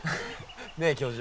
ねえ教授